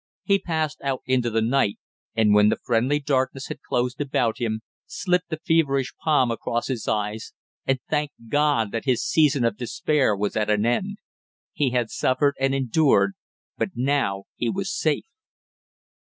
He passed out into the night, and when the friendly darkness had closed about him, slipped a feverish palm across his eyes and thanked God that his season of despair was at an end. He had suffered and endured but now he was safe!